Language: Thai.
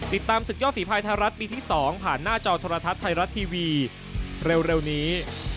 ติดตามศึกยอดฝีภายไทยรัฐปีที่๒ผ่านหน้าจอโทรทัศน์ไทยรัฐทีวีเร็วนี้